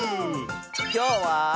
きょうは。